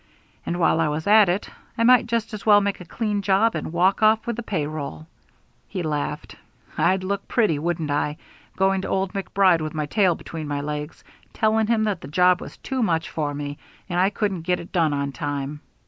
And while I was at it, I might just as well make a clean job and walk off with the pay roll." He laughed. "I'd look pretty, wouldn't I, going to old MacBride with my tail between my legs, telling him that the job was too much for me and I couldn't get it done on time.